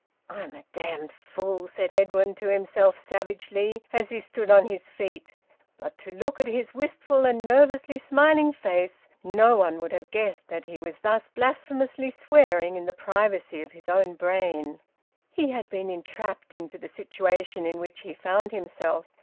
'" "I'm a damned fool!" said Edwin to himself savagely, as he stood on his feet. But to look at his wistful and nervously smiling face, no one would have guessed that he was thus blasphemously swearing in the privacy of his own brain. He had been entrapped into the situation in which he found himself.